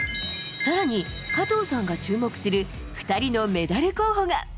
さらに、加藤さんが注目する２人のメダル候補が。